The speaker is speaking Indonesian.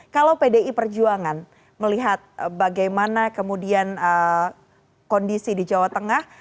kalau pdi perjuangan melihat bagaimana kemudian kondisi di jawa tengah